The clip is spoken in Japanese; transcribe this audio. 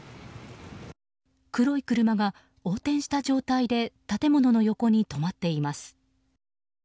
黒い車が横転した状態で建物の横に止まっています。